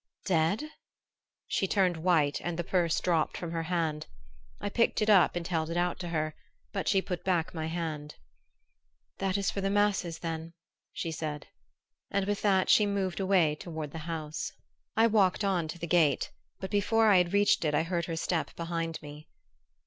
"Dead!" She turned white and the purse dropped from her hand. I picked it up and held it out to her, but she put back my hand. "That is for masses, then," she said; and with that she moved away toward the house. I walked on to the gate; but before I had reached it I heard her step behind me.